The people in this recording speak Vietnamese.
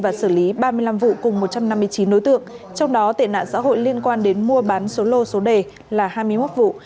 và xử lý ba mươi năm vụ cùng một trăm năm mươi chín đối tượng trong đó tệ nạn xã hội liên quan đến mua bán số lô số đề là hai mươi một vụ